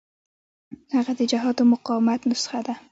هغه د جهاد او مقاومت نسخه ده.